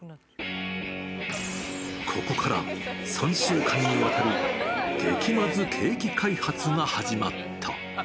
ここから、３週間にわたる激まずケーキ開発が始まった。